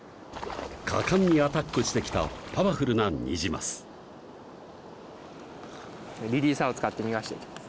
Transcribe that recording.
果敢にアタックしてきたパワフルなニジマスリリーサーを使って逃していきます